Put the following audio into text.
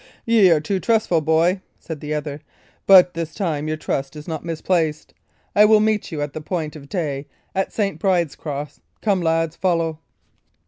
"Y' are too trustful, boy," said the other; "but this time your trust is not misplaced. I will meet you at the point of day at St. Bride's Cross. Come, lads, follow!"